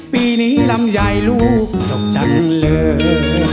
ปีนี้ลำไยลูกตกจังเลย